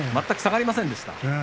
全く下がりませんでしたよね